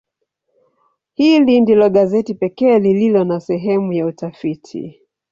Hili ndilo gazeti pekee lililo na sehemu ya utafiti.